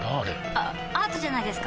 あアートじゃないですか？